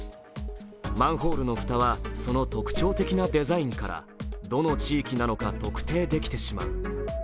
マンホールの蓋はその特徴的なデザインからどの地域なのか特定できてしまう。